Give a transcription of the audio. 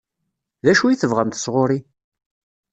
D acu i tebɣamt sɣur-i?